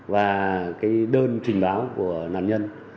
và đơn trình báo của nạn nhân